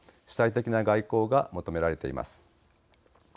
主体的な外交が求められています。